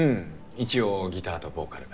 一応ギターとボーカル。